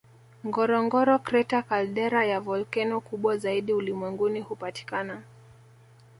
Ngorongoro Crater caldera ya volkeno kubwa zaidi ulimwenguni hupatikana